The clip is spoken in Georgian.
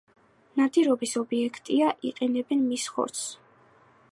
ნადირობის ობიექტია, იყენებენ მის ხორცს.